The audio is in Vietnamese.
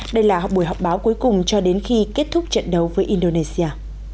đây là buổi họp báo cuối cùng cho đến khi kết thúc trận đấu với indonesia